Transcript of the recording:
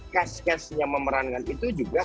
cas cas yang memerankan itu juga